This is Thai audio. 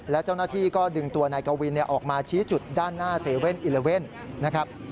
และเจ้าหน้าที่ก็ดึงตัวนายกวินออกมาชี้จุดด้านหน้า๗๑๑นะครับ